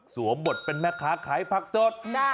บทเป็นแม่ค้าขายผักสด